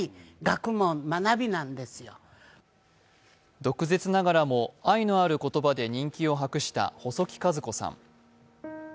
毒舌ながらも愛のある言葉で人気を博した細木数子さん。